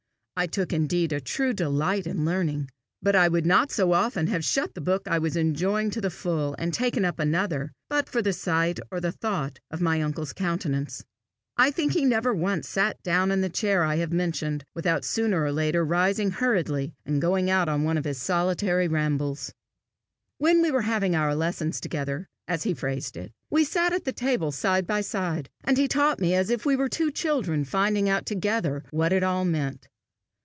I took indeed a true delight in learning, but I would not so often have shut the book I was enjoying to the full and taken up another, but for the sight or the thought of my uncle's countenance. I think he never once sat down in the chair I have mentioned without sooner or later rising hurriedly, and going out on one of his solitary rambles. When we were having our lessons together, as he phrased it, we sat at the table side by side, and he taught me as if we were two children finding out together what it all meant.